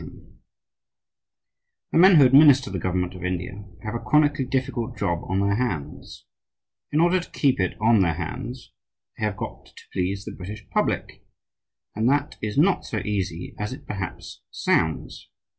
[Illustration: WEIGHING OPIUM IN A GOVERNMENT FACTORY, INDIA] The men who administer the government of India have a chronically difficult job on their hands. In order to keep it on their hands they have got to please the British public; and that is not so easy as it perhaps sounds.